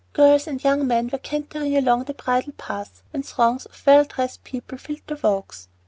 Girls and young men were cantering along the bridle paths, and throngs of well dressed people filled the walks.